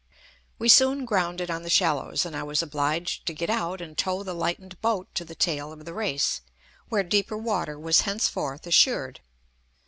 We soon grounded on the shallows and I was obliged to get out and tow the lightened boat to the tail of the race, where deeper water was henceforth assured.